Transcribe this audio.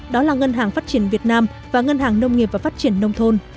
đó là ngân hàng phát triển việt nam và ngân hàng nông nghiệp và phát triển nông thôn